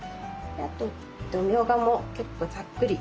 みょうがも結構ざっくり。